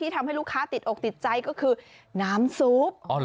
ทำให้ลูกค้าติดอกติดใจก็คือน้ำซุป